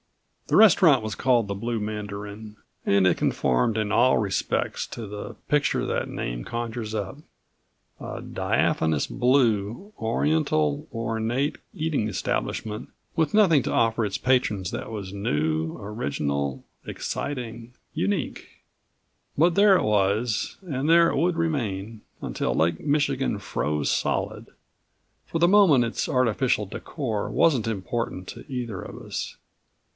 The restaurant was called the Blue Mandarin and it conformed in all respects to the picture that name conjures up a diaphanous blue, oriental ornate eating establishment with nothing to offer its patrons that was new, original, exciting, unique. But there it was and there it would remain until Lake Michigan froze solid. For the moment its artificial decor wasn't important to either of us.